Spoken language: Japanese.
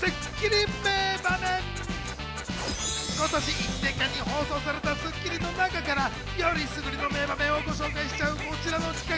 今年１年間に放送された『スッキリ』の中から選りすぐりの名場面をご紹介しちゃうこちらの企画。